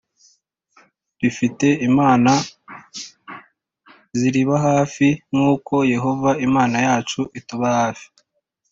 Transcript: rifite imana ziriba hafi nk’uko Yehova Imana yacu atuba hafi